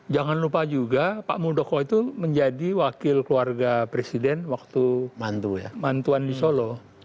jangan lupa juga pak muldoko itu menjadi wakil keluarga presiden waktu ya mantuan di solo